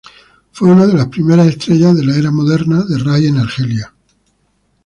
Fue una de las primeras estrellas de la era moderna de Rai en Argelia.